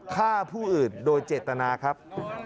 ฆ่าผู้อื่นโดยเจตนาครับ